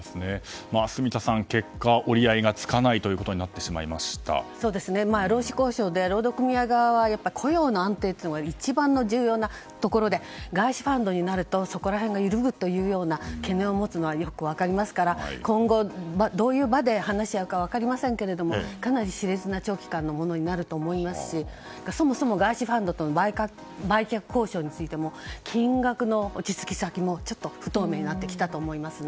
住田さん、結果折り合いがつかないということに労使交渉で労働組合側は雇用の安定が一番の重要なところで外資ファンドになるとそこら辺が緩むというような懸念を持つのはよく分かりますから今後どういう場で話し合うか分かりませんがかなりし烈な長期間になると思いますしそもそも、外資ファンドとの売却交渉についても金額の落ち着き先も不透明になってきましたね。